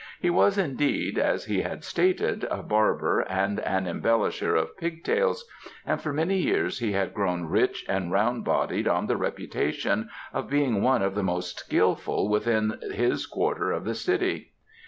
He was indeed, as he had stated, a barber and an embellisher of pig tails, and for many years he had grown rich and round bodied on the reputation of being one of the most skilful within his quarter of the city.